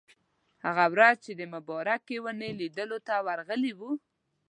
هغه ورځ چې د مبارکې ونې لیدلو ته ورغلي وو.